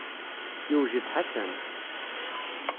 Yewjed Ḥasan.